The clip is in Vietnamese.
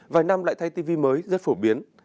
vài năm lại thay tv mới rất phổ biến